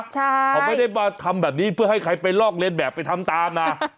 เขาไม่ได้มาทำแบบนี้เพื่อให้ใครไปลอกเรียนแบบไปทำตามนะ